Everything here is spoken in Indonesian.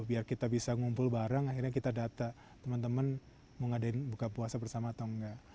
biar kita bisa ngumpul bareng akhirnya kita data teman teman mau ngadain buka puasa bersama atau enggak